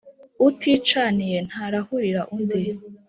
Uticaniye ntarahurira undi.